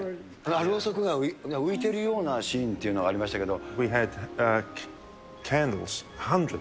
ろうそくが浮いてるようなシーンっていうのがありましたけど。